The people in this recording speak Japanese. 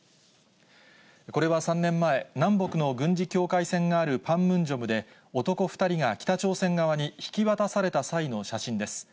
これは３年前、南北の軍事境界線があるパンムンジョムで、男２人が北朝鮮側に引き渡された際の写真です。